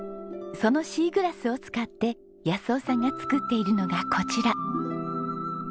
そのシーグラスを使って夫さんが作っているのがこちら。